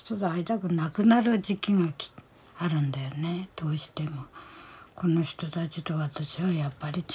どうしても。